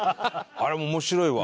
あれ面白いわ。